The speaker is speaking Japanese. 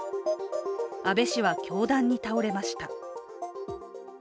安倍氏は凶弾に倒れました。